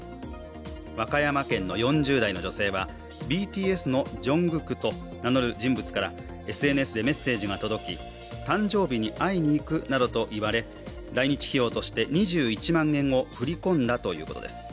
和歌山県の４０代の女性はＢＴＳのＪＵＮＧＫＯＯＫと名乗る人物からＳＮＳでメッセージが届き誕生日に会いに行くなどと言われ来日費用として２１万円を振り込んだということです。